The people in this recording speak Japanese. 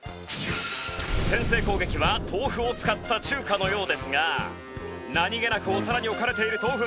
先制攻撃は豆腐を使った中華のようですが何げなくお皿に置かれている豆腐。